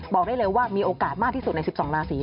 บอกได้เลยว่ามีโอกาสมากที่สุดใน๑๒ราศี